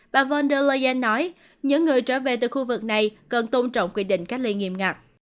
bà von der leyen nói những người trở về từ khu vực này cần tôn trọng quy định cách ly nghiêm ngặt